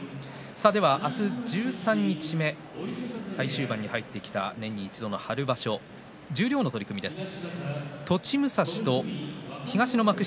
明日、十三日目最終盤に入ってきた年に一度の春場所十両の取組です。